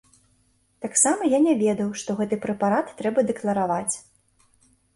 Таксама я не ведаў, што гэты прэпарат трэба дэклараваць.